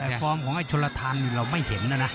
แต่ความของไอ้ชนลฐานเราไม่เห็นแล้วนะ